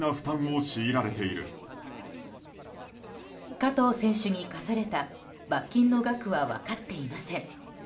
加藤選手に科された罰金の額は分かっていません。